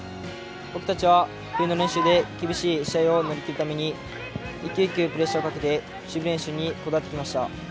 僕たちは冬の練習で厳しい試合を乗り切るために１球１球プレッシャーをかけて守備練習にこだわってきました。